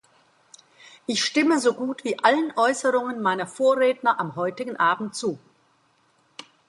Ich stimme so gut wie allen Äußerungen meiner Vorredner am heutigen Abend zu.